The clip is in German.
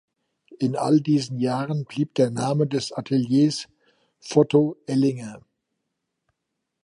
In all diesen Jahren blieb der Name des Ateliers "Photo Ellinger".